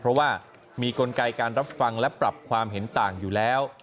เพราะว่ามีกลไกการรับฟังและปรับความเห็นต่างอยู่แล้ว